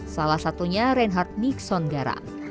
salah satunya reinhardt nixon garak